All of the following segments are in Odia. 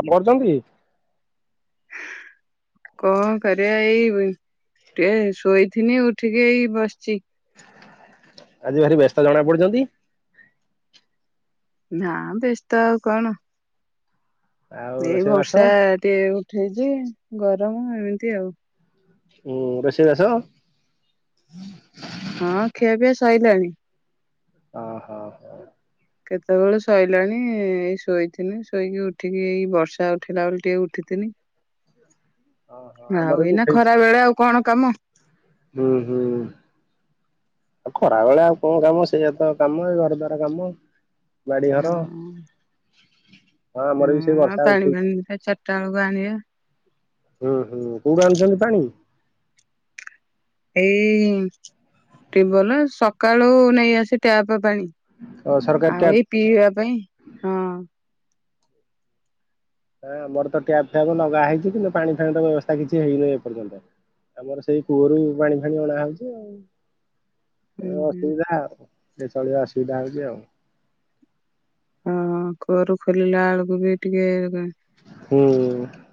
କାମ କରୁଚନ୍ତି। କଣ କରିବା ଏଇ ଟିକେ ଶୋଇଥିନି ଉଠିକି ଏଇ ବସିଛି। ଆଜି ଭାରି ବ୍ୟସ୍ତ ଜଣା ପଡ଼ୁଛନ୍ତି। ନା ବ୍ୟସ୍ତ ଆଉ କଣ। ଆଉ ଏଇ ରୋଷେଇବାସ ବର୍ଷା ଟିକେ ଉଠେଇଚି ଗରମ ଏମିତି ଆଉ। ଉଁ ରୋଷେଇ ବାସ। ହଁ ଖୀଆ ପିଆ ସଇଲାଣି। ଓ ହହୋ। କେତେବୋଳୁ ସଇଲାଣୀ ଏଇ ଶୋଇଥିନି ଶୋଇକି ଉଠିକି ଏଇ ବର୍ଷା ଉଠେଇଲା ବୋଲି ଟିକେ ଉଠିଥିନି। [inaudible] ଆମର ଆଉ ବି ଏଇନା ଉଠେଇଛି। ଖରା ବେଳେ ଆଉ କଣ କାମ। ହୁଁ ହୁଁ। ଆଉ ଖରାବେେଳେ ଆଉ କଣ କାମ ସେଇୟା ତ କାମ ଏ ଘର ଦ୍ୱାର କାମ। ବାଡି ଘର ହଁ। ହଁ ଆମର ବି ସେଇ ଆଉ ବର୍ଷା ପାଣି ଉଠେଇଛି। ଫାଣି ଦିଟା ଚାରିଟା ବେଳକୁ ଆଣିିବା। ଉଁ ହୁଁ କୋଉଠୁ ଆଣୁଛନ୍ତି ପାଣି। ଏଇ ଟିୱଲ ସକାଳୁ ନେଇ ଆସେ ଟ୍ୟାପ ପାଣି। ଓ ସରକାର ଆଉ ଏଇ ଟ୍ୟାପ। ପିଇବା ପାଇଁ ହଁ। ହଁ ଆମର ତ ଟ୍ୟାପ ଫ୍ୟାବ ଲଗା ହେଇଚି କିନ୍ତୁ ପାଣି ଫାଣିର ବ୍ୟବସ୍ଥା କିଛି ହେଇନି ଏପର୍ଯ୍ୟନ୍ତ। ଆମର ସେଇ କୂଅରୁ ପାଣି ଫାଣି ଅଣା ହଉଚି ଆଉ। ହୁଁ ଏ ହୁଁ ଅସୁବିଧା ଆଉ ଟକିଏ ଚଳିବା ଅସୁବିଧା ହଉଚି ଆଉ। ହଁ କୁଅରୁ ଖୋଲିଲା ବେଳକୁ ବି ଟିକେ ହୁଁ।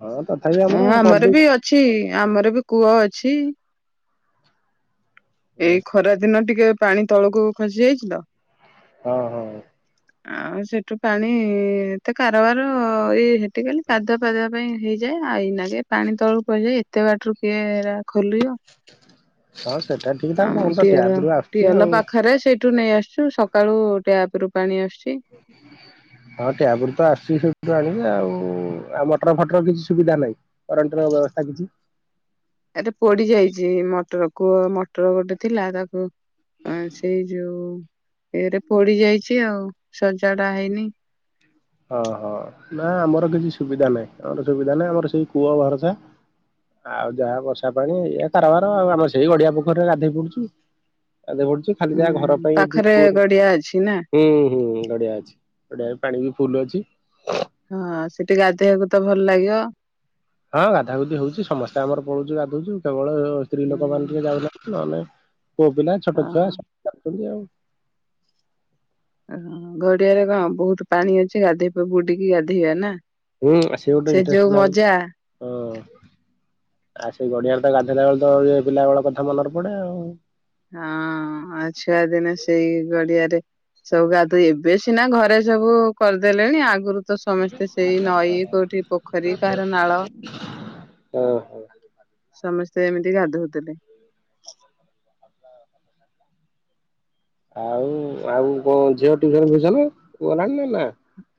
ହଁ ତ। ହଁ ଆମର ବି ଅଛି ଆମର ବି କୂଅ ଅଛି। ଏଇ ଖରା ଦିନ ଟିକେ ପାଣି ତଳକୁ ଖସି ଯାଇଛି ହଁ ହଁ ଆଉ ସେଠୁ ପାଣି ଏତେ କାରବାର ଇ ହେଠି କଲି ଖାଦୁଆ ପାଦଆ ପାଇଁ ହେଇଯାଏ ଆଉ ଏଇନା କେ ପାଣି ତଳକୁ ପଯାଏ ଏତେ ବାଟରୁ କିଏ ଖୋଲିବ ହଁ ସେଟା ଠିକ ଥାକ ଆମ ତାଲେ ତ ଟ୍ୟାପରୁ ଆସୁଛି ଆଉ ୁ ନେଇ ଆସୁଚୁ ସକାଳୁ ଟ୍ୟାପ ରୁ ପାଣି ଆସୁଛି ହ ହଁ ଟ୍ୟାବ ର ତ ଆସୁଛି ସେଠୁ ଆଣିବେ ଆଉ ଆଉ ମଟର ଫଟର କିଛି ସୁବିଧା ନାହିଁ କଣ୍ଟ ର ବ୍ୟବସ୍ଥା କିଛି ଏତେ ପୋଡି ଯାଇଛି ମଟର କୁହ ମଟର ଗୋଟେ ଥିଲା ତାକୁ ଆ ସେଇ ଯୋଉ ଏରେ ପଡି ଯାଇଛି ଆଉ ସଜା ଟା ହେଇନି ଓଁ ହଁ ନା ଆମର କିଛି ସୁବିଧା ନାହିଁ ଆମର ସୁବିଧା ନାହିଁ ଆମର ସେଇ କୂଅ ଭରସା ଆଉ ଯାହା ବର୍ଷା ପାଣି ଏଇ କାରବାର ଆଉ ଆମେ ସେଇ ଗଡିଆ ପୋଖରୀରେ ଗାଧୋଇ ପଡଛୁ ଆ ପଢୁଚ ଖାଲି ଯାହା ଘର ହୁଁ ପାଇଁ ପାଖରେ ଠୁକୁର ଗଡିଆ ଅଛି ନା ହୁଁ ହୁଁ ନଡିଆ ଅଛି ଓଡିଆରେ ପାଣି ବି ଫୁଲ ଅଛି ହଁ ସେଠି ଗାଧୋଇବାକୁ ତ ଭଲ ଲାଗିବ ହଁ ଗାଧା ଗୁଧି ହଉଛି ସମସ୍ତେ ଆମର ପଳୁଛୁ ଗାଧଉଛୁ କେବଳ ସ୍ତ୍ରୀ ଲୋକମାନୋନ ହୁଁ ଟିକେ ଯାଉ ନହେଲେ ପୁଅ ପିଲା ଛୋଟ ଛୁଆବୁ ଯାଉଛନ୍ତି ଆଉ ଓହ ଘଡିଆରେ କଣ ବହୁତ ପାଣି ଅଛି ଗାଧୋଇବା ବୁଡିକି ଗାଧୋଇବା ନା ହୁଁ ସେ ଗୋଟେ ଯୋଉ ଇଣ୍ଟଷ୍ଟ ଲାଗୁ ମଜା ହ ଆଉ ସେଇ ଗଡିଆରେ ତ ଗାଧୋଇଲା ବେଳେ ତ ଇଏ ପିଲା ବେଳ କଥା ମନରେ ପଡେ ଆଉ ହଁ ଆଉ ଛୁଆ ଦିନ ସେଇ ଗଡିଆରେ ସବୁ ଗା ତୁ ଏବେ ସିନା ଘରେ ସବୁ କରିଦେଲେଣି ଆଗରୁ ତ ସମସ୍ତେ ସେଇ ନଈ କୋଉଠି ପୋଖରୀ କାହାର ନାଳ ଓ ସମସ୍ତେ ଏମିତି ଗାଧଉଥିଲେ ଆଉ ଆଉ କଣ ଝିଅ ଟଉସନ ଫସନ କୁଲାଣି ନା ନା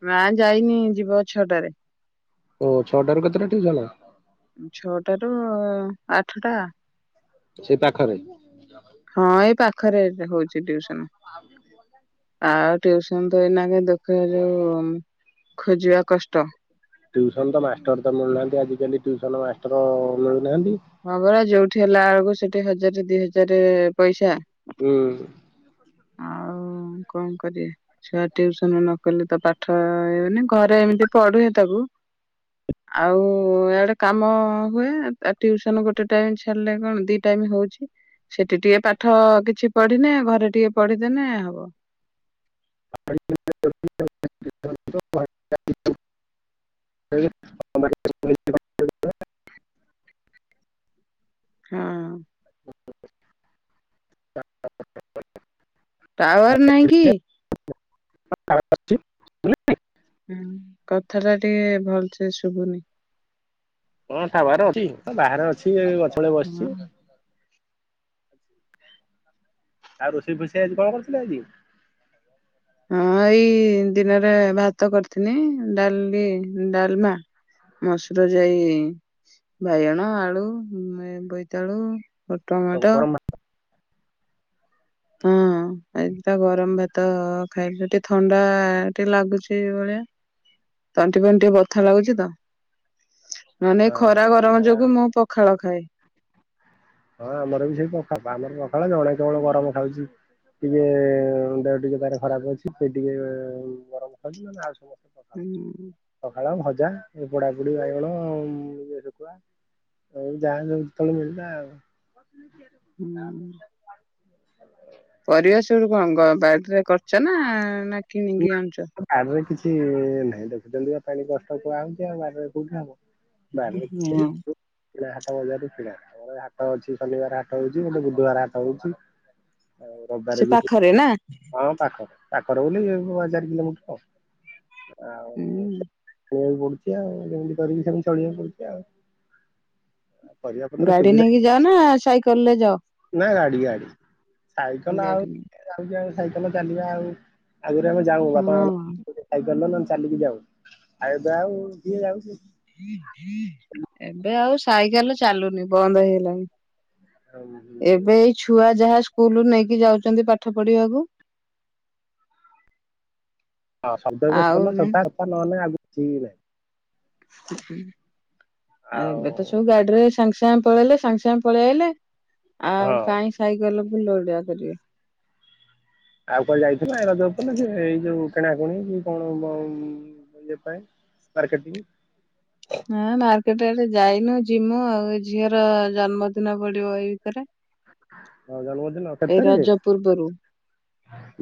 ମା ଯାଇନି ଯିବ ଛଅଟାରେ ଓ ଛଅଟ ର କେତେଟା ିକ ଜଣା ଛଅଟ ରୁ ଆଠଟା ସେ ପାଖରେ ହଁ ଏଇ ପାଖରେ ହଉଛି ୁସନ ଆଉସନ ତ ଏଇନା ଦେଖ ଯୋଉ ଖୋଜିବା କଷ୍ଟ ଟୁସନ ତ ମାଷ୍ଟର ତ ମିଳୁନାହାନ୍ତି ଆଜିିକାଲିୁସନ ମାଷ୍ଟର ମିଳୁନାହାନ୍ତି ହଁ ପରା ଯୋଉଠି ହେଲା ବେଳକୁ ସେଠି ହଜାର ଦି ହଜାର ପଇସା। ହୁଁ। ଆଉ କଣ କରିଆ ଛୁଆ ଟଉସନ ନ କଲେ ତ ପାଠ ଇଏ ହବନି ଘରେ ଏମିତି ପଢୁଏ ତାକୁ। ଆଉ ଇଆଡେ କାମ ହୁଏ ଟ୍ୟୁସନ ଗୋଟେ ଟାଇମ୍ ଛାଡିଲେ କଣ ଦି ଟାଇମ୍ ହଉଛି। ସେଠି ଟିକେ ପାଠ କିଛି ପଢିନେ ଘରେ ଟିକେ ପଢିଦେନେ ହବ। [inaudible] [inaudible] ହଁ। ଟାୱାର ନହିଁ କି? [inaudible] ହୁଁ କଥା ଟା ଟିକେ ଭଲସେ ଶୁଭୁନି। ହଁ ଟାୱାର ଅଛି ବାହାରେ ଅଛି ଏ ଗଛମୂଳେ ହଁ ବସିଛି। ଆଉ ରୋଷେଇ ଫୋଷେଇ ଆଜି କଣ କରିଥିଲେ ଆଜି? ହଁ ଏଇ ଦିନରେ ଭାତ କରିଥିନି ଡାଲି, ଡାଲମା ମସୁର ଜାଇ, ବାଇଗଣ, ଆଳୁ, ବୋଇତାଳୁ ଟମାଟୋ ଗରମ ଭାତ ହଁ। ଏଇ ତ ଗରମ ଭାତ ଖାଇଲୁ, ଟିକେ ଥଣ୍ଡା ଟିକେ ଲାଗୁଛି ଏଭଳିଆ। ତଣ୍ଟି ଫଣ୍ଟୀ ଟିକେ ବଥା ଲାଗୁଛି ତ ନହେନେ ଏଇ ଖରା ହଁ ହଁ ଗରମ ଯୋଗୁଁ ମୁଁ ପଖାଳ ଖାଏ। ହଁ ଆମର ବି ସେଇ ପଖାଳ, ଆମର ପଖାଳ, ଜଣେ କେବଳ ଗରମ ଖାଉଛି। ଟିକେ ଦେହ ଟିକେ ତାର ଖରାପ ଅଛି। ସେ ଟିକେ ଗରମ ଖାଉଚି ଆଉ ସମସ୍ତେ ପ ହୁଁ। ପଖାଳ, ଭଜା ଏ ପୋଡାପୁଡି ବାଇଗଣ [unintelligible] ଶୁଖୁଆ ଆଉ ଯାହା ସବୁ ଯେତେବେଳେ ମିଳିଲା ଆଉ। [unintelligible] ହୁଁ। ପରିବା ସେଠୁ କଣ ବାଡିରେ କରିଛ ନା, ନା କିଣିକି ଆଣୁଛ? ବାଡରେ କିଛି ନାହିଁ ଦେଖୁଛନ୍ତି ବା ପାଣି କଷ୍ଟ କୁଆ ହଉଛି ଆଉ ବାଡିରେ କୋଉଠି ହବ? ବାଡିରେ କିଛି ହଁ [unintelligible] କିଣା ହାଟ ବଜାରରେ କିଣା, ଆମର ହାଟ ଅଛି, ଶନିବାର ହାଟ ହଉଛି, ନହେଲେ ବୁଧବାର ହାଟ ହଉଛି। [unintelligible] ସେ ପାଖରେ ନାଁ? ପାଖ ପାଖର ବୋଲି ଚାରି କିଲୋମିଟର ଆଉ। ଆଉ ହୁଁ, [unintelligible] ପଡୁଛି ଆଉ ଯେମିତି କରିକି ସେମତି ଚଳିବାକୁ ପଡୁଛି ଆଉ। ପରିବା ପତ୍ର ଗାଡି ସୁବିଧା ନେଇକି ଯାଅ ନା ସାଇକେଲ ରେ ଯାଅ? ନା ଗାଡି-ଗାଡି ସାଇକେଲ ଆଉ ଗାଡି କିଏ ଯାଉଚି ଆଉ ସାଇକେଲ ଚାଲିବା ଆଉ। ଆଗରୁ ଆମେ ଯାଉ ବାପା ହଁ। [unintelligible] ସାଇକେଲ ନହେଲେ ଚାଲିକି ଯାଉ ଆଉ ଏବେ ଆଉ କିଏ ଯାଉଛି। ଏବେ ଆଉ ସାଇକେଲ ଚାଲୁନି ବନ୍ଦ ହେଇଗଲାଣି। ଏବେ ଏଇ ଛୁଆ ଯାହା ସ୍କୁଲ ନେଇକି ଯାଉଛନ୍ତି ପାଠ ପଢିବାକୁ। ହଁ ଶବ୍ଦରେ ବେଶୀ ଆଉ ଦେ [unintelligible] ନହଲେ ଆଉ କିଛି ଆଉ ଆଉ ଏବେ ତ ସବୁ ଗାଡିରେ ସାଙ୍ଗେ ସାଙ୍ଗେ ପଳେଇଲେ ସାଙ୍ଗେ ସାଙ୍ଗେ ପଳେଇଆଲେ ଆଉ ହଁ କାଇଁ ସାଇକଲ ବୁଲଡିଆ କରିବେ। ଆଉ କୁଆଡେ ଯାଇଥିଲ? ଏ ରଜ ଉପଲକ୍ଷେ ଏଇ ଯୋଉ କିଣା କଣି କି କଣ ବ ଇଏ ପାଇଁ? ମାର୍କେଟିଂ ହଁ ମାର୍କେଟ ଆଡେ ଯାଇନୁ, ଯିମୁ ଆଉ ଏ ଝିଅର ଜନ୍ମଦିନ ପଡିବ ଏଇ ଭିତରେ। ଜନ୍ମଦିନ କେତେ ଏ ତାରିଖ ରଜ ପୂର୍ବରୁ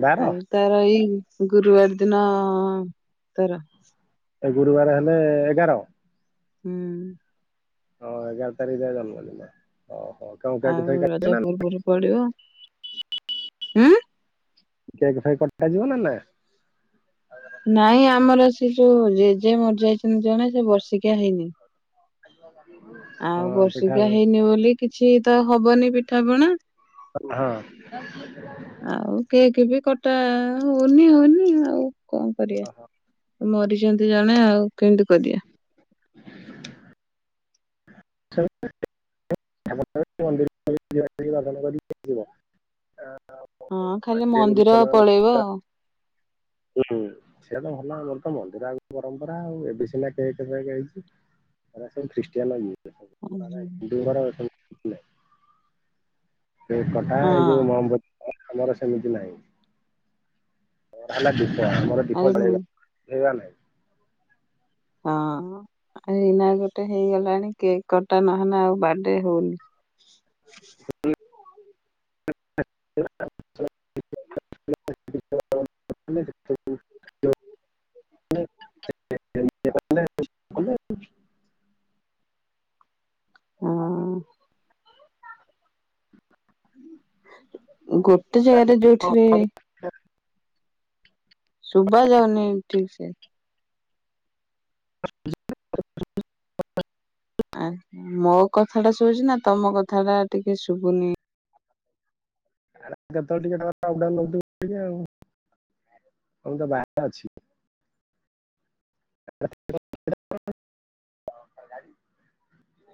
ବାର ଆ ତାର ଏଇ ଗୁରୁବାର ଦିନ ତାର ଏ ଗୁରୁବାର ହେଲେ ଏଗାର? ହୁଁ ହଁ ଏଗାର ତାରିଖରେ ଯାଇ ଜନ୍ମଦିନ ଓ ହଉ। ଆଉ ରଜ ପୂର୍ବରୁ ପଡିବ? ହାଁ କେକ୍ ଫେକ୍ କଟା ଯିବ ନା ନା? ନାଇଁ ଆମର ସେ ଯୋଉ, ଜେଜେ ମରିଯାଇଛନ୍ତି ଜଣେ, ସେ ବର୍ଷିକିଆ ହେଇନି। ଆଉ ହଁ ପିଠା ବାର୍ଷିକୀଆ ହଁ। ହେଇନି ବୋଲି କିଛି ତ ହବନି ପିଠାପଣା। ହଁ ଆଉ କେକ୍ ବି କଟା ହଉନି ହଉନି ଆଉ କଣ କରିବା। ମରିଛନ୍ତି ଜଣେ ଆଉ କେମତି କରିବା। [unintelligible] ହ [unintelligible] ହଁ ଖାଲି ମନ୍ଦିର ପଳେଇବ ଆଉ। [inaudible] ହୁଁ ସେଆ ତ ଭଲ ଆମର ତ ମନ୍ଦିର ଆଗ ପରମ୍ପରା ଆଉ ଏବେ ସିନା କେକ୍ ଫେକ୍ ହେଇଛି। ହେରା ଖାଲି ଖ୍ରିଷ୍ଟିଆନ ଇଏ ସବୁ ଆମର ହେରା ହିନ୍ଦୁଙ୍କର ଏ ସବୁ କେକ କଟା ହଁ ଏଇ ଯୋଉ ମହମବତୀ ଆମର ସେମିତି ନାହିଁ। ହେଲା ଦୀପ ଆମର ଦୀପ ଆରେ ମୁଁ ଜଳେଇବା ଜଳେଇବା ନାହିଁ। ହଁ ଏଇନା ଗୋଟେ ହେଇଗଲାଣି କେକ୍ କଟା ନହେଲେ ଆଉ ବାର୍ଥଡେ ହଉନି। [unintelligible] ଆ [unintelligible] ହଁ ଗୋଟେ ଜାଗାରେ ଯୋଉଠିରେ ଆ ଶୁବାଯାଉନାଇଁ ଠିକ ସେ ସୁବି ଆ ମୋ କଥା ଟା ଶୁଭୁଛି ନା ତମ କଥା ଟା ଟିକେ ଶୁଭୁନି ଆ କେତେବେଳେ ଟିକେ ଅପ୍ ଡାଉନ୍ ରହୁଥିବ ଟିକେ ଆଉ ଆଁ ମୁଁ ତ ବାହାରେ ଅଛି। [unintelligible]